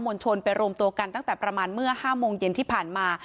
ลชนไปรวมตัวกันตั้งแต่ประมาณเมื่อ๕โมงเย็นที่ผ่านมา